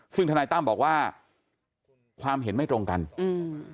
ซึ่งธนายตั้มบอกว่าความเห็นไม่ตรงกันอืม